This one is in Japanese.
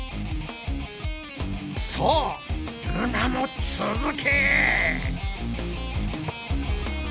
さあルナも続け！